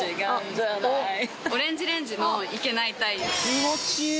気持ちいい！